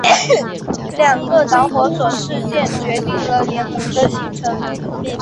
两个导火索事件决定了联盟的形成。